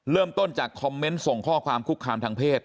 เริ่มต้นจากคอมเมนต์ส่งข้อความคุกคามทางเพศ